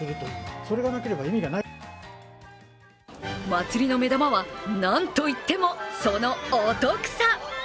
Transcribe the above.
祭りの目玉は、なんといってもそのお得さ。